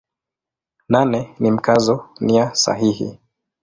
Nane ni Mkazo nia sahihi.